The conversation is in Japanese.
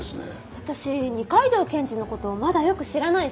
私二階堂検事の事まだよく知らないし。